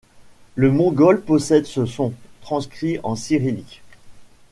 Le mongol possède ce son, transcrit en cyrillique Г.